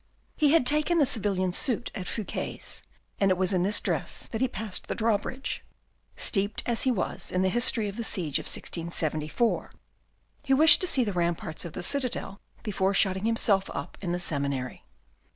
He had taken a civilian suit at Fouque's, and it was in this dress that he passed the drawbridge. Steeped as he was in the history of the siege of 1674, he wished to see the ramparts of the citadel before shutting himself up in the seminary.